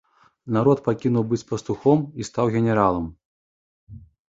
Народ пакінуў быць пастухом і стаў генералам.